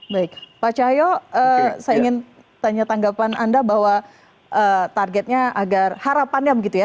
baik pak cahyo saya ingin tanya tanggapan anda bahwa targetnya agar harapannya begitu ya